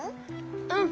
うん。